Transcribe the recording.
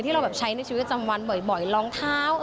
เราแบบใช้ในชีวิตจำวันบ่อยรองเท้า